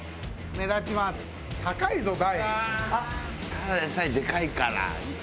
ただでさえでかいから。